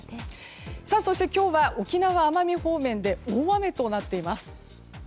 そして今日は沖縄・奄美方面で大雨となっています。